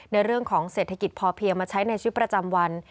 ในเรื่องของเศรษฐกิจพอเพียงมาใช้ในชีวิตประจำวัน